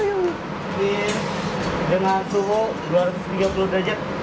dengan suhu dua ratus tiga puluh derajat